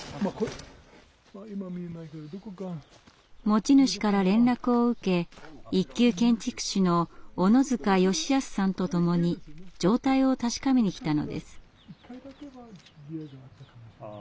持ち主から連絡を受け一級建築士の小野塚良康さんとともに状態を確かめに来たのです。